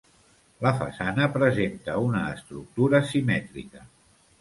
La façana presenta una estructura simètrica.